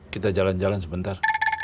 kita jalan jalan sebentar